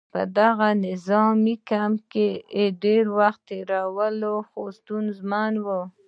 په هغه نظامي کمپ کې وخت تېرول ډېر ستونزمن وو